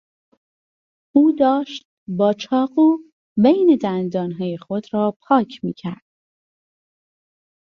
او داشت با چاقو بین دندانهای خود را پاک میکرد.